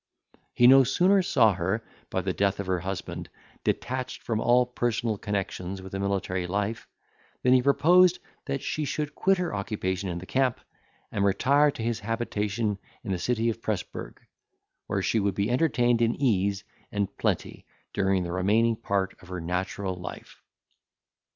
He no sooner saw her, by the death of her husband, detached from all personal connexions with a military life, than he proposed that she should quit her occupation in the camp, and retire to his habitation in the city of Presburg, where she would be entertained in ease and plenty during the remaining part of her natural life.